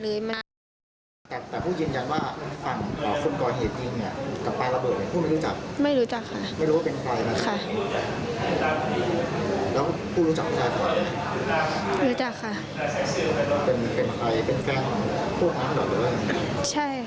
กลุ่มวัยรุ่นฝั่งพระแดง